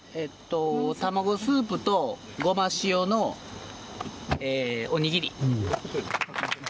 卵スープとごま塩のおにぎり。